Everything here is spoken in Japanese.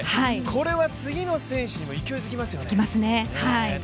これは次の選手にも勢いづきますよね。